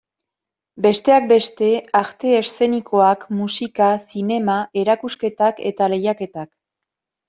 Besteak beste, arte eszenikoak, musika, zinema, erakusketak eta lehiaketak.